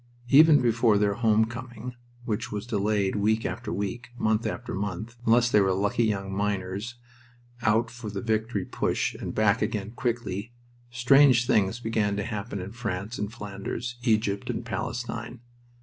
Even before their homecoming, which was delayed week after week, month after month, unless they were lucky young miners out for the victory push and back again quickly, strange things began to happen in France and Flanders, Egypt and Palestine.